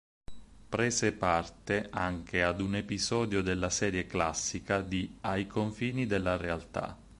Prese parte anche ad un episodio della serie classica di "Ai confini della realtà".